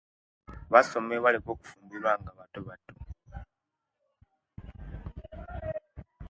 Basome baleke okufumbiruwa nga batobato